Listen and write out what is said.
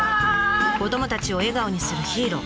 子どもたちを笑顔にするヒーロー。